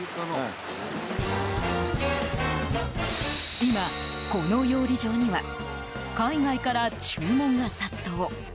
今、この養鯉場には海外から注文が殺到。